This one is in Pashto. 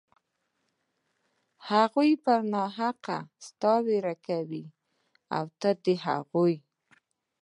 هغوى پر ناحقه ستا وير کوي او ته د هغوى.